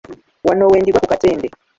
Wano wendigwa ku Katende.